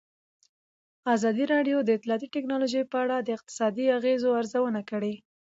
ازادي راډیو د اطلاعاتی تکنالوژي په اړه د اقتصادي اغېزو ارزونه کړې.